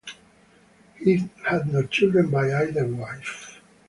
He had no children by either wife.